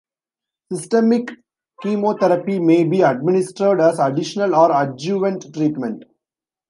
Systemic chemotherapy may be administered as additional or adjuvant treatment.